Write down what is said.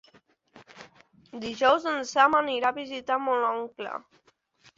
Dijous en Sam anirà a visitar mon oncle.